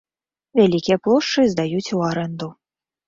Вялікія плошчы здаюць у арэнду.